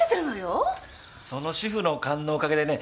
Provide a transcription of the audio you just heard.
その主婦の勘のおかげでね